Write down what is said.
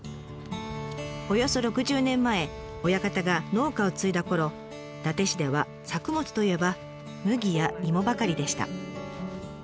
およそ６０年前親方が農家を継いだころ伊達市では作物といえば麦や芋ばかりでした。